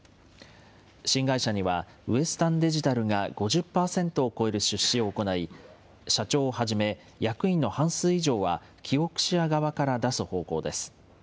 新会社にはウエスタンデジタルが５０％を超える出資を行い、社長をはじめ、役員の半数以上はキオクシア側から出す方向です。